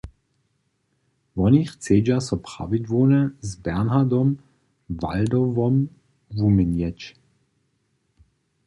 Woni chcedźa so prawidłownje z Bernhardom Waldauwom wuměnjeć.